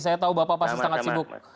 saya tahu bapak pasti sangat sibuk